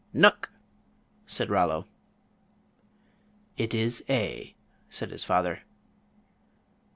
"Nuck," said Rollo. "It is A," said his father.